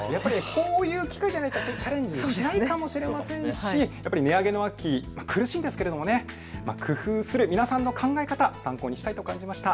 こういう機会じゃないとチャレンジしないかもしれませんし値上げ、苦しいんですけど工夫する皆さんの考え方を参考にしたいと思いました。